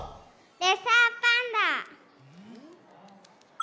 レッサーパンダ。